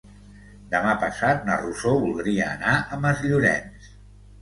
Demà passat na Rosó voldria anar a Masllorenç.